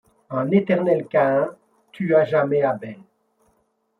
Un éternel Caïn tue à jamais Abel.